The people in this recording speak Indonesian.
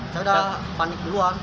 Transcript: saya udah panik duluan